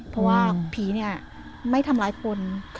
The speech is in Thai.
เพราะว่าผีเนี่ยไม่ทำร้ายคน